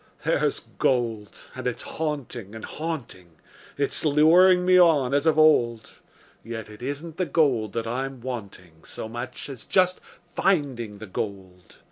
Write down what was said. There's gold, and it's haunting and haunting; It's luring me on as of old; Yet it isn't the gold that I'm wanting So much as just finding the gold.